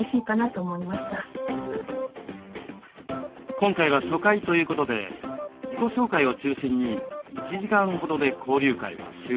今回は初回ということで自己紹介を中心に１時間ほどで交流会は終了しました。